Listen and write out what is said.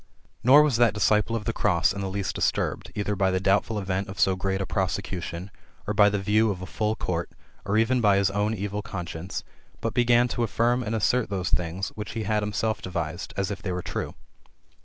Nor was that disable of the cross*^ in the least disturbed, either by the doubtful event of so great a prosecution, or by the view of a full court, or even by his own evil conscience, but began to affirm and assert those things which he had himself devised, as if they were true.